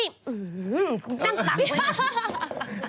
นั่งตากไว้